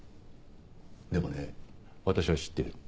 でもね私は知ってる。